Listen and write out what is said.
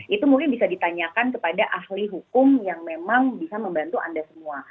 itu mungkin bisa ditanyakan kepada ahli hukum yang memang bisa membantu anda semua